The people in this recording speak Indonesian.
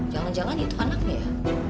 jangan jangan itu anaknya ya